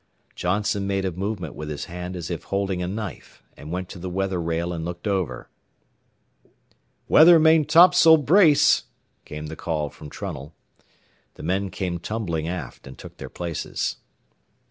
Johnson made a movement with his hand as if holding a knife and went to the weather rail and looked over. "Weather maintopsail brace!" came the call from Trunnell. The men came tumbling aft and took their places.